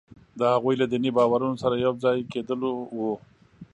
د هغوی له دیني باورونو سره یو ځای کېدلو وو.